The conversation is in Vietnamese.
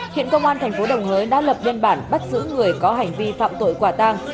hiện công an tp đồng hới đã lập đơn bản bắt giữ người có hành vi phạm tội quả tang